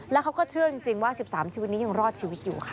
แล้วเขาก็เชื่อจริงว่า๑๓ชีวิตนี้ยังรอดชีวิตอยู่ค่ะ